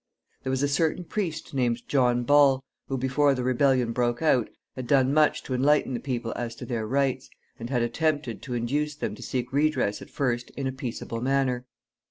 There was a certain priest named John Ball, who, before the rebellion broke out, had done much to enlighten the people as to their rights, and had attempted to induce them to seek redress at first in a peaceable manner.